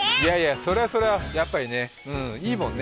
それはそれはやっぱりね、いいもんね。